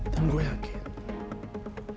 dan gue yakin